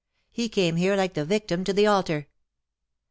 He came here like the victim to the altar.